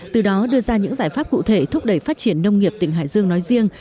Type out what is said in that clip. từ đó đưa ra những giải pháp cụ thể thúc đẩy phát triển nông nghiệp tỉnh hải dương nói riêng